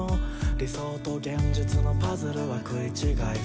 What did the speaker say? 「理想と現実のパズルは食い違い」